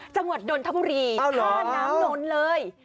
จังหวัดนนทบุรีท่าน้ำนนเลย